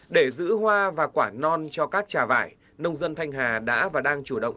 để giữ hoa và quả non cho các trà vải nông dân thanh hà đã và đang chủ động